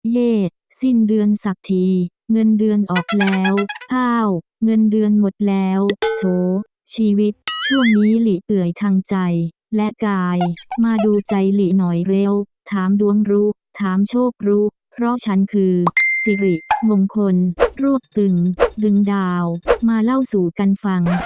สิ้นเดือนสักทีเงินเดือนออกแล้วอ้าวเงินเดือนหมดแล้วโถชีวิตช่วงนี้หลีเปื่อยทางใจและกายมาดูใจหลีหน่อยเร็วถามดวงรู้ถามโชครู้เพราะฉันคือสิริมงคลรวบตึงดึงดาวมาเล่าสู่กันฟัง